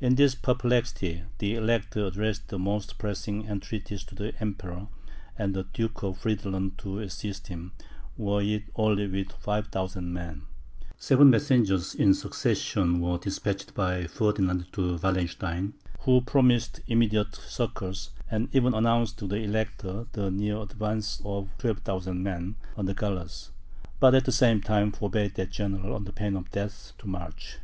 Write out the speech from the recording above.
In this perplexity, the Elector addressed the most pressing entreaties to the Emperor and the Duke of Friedland to assist him, were it only with 5,000 men. Seven messengers in succession were despatched by Ferdinand to Wallenstein, who promised immediate succours, and even announced to the Elector the near advance of 12,000 men under Gallas; but at the same time forbade that general, under pain of death, to march.